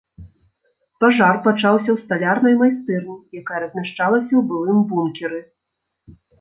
Пажар пачаўся ў сталярнай майстэрні, якая размяшчалася ў былым бункеры.